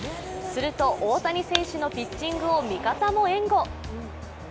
すると大谷選手のピッチングを味方も援護。